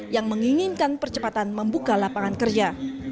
yang menginginkan percepatan membuka lapangan kerja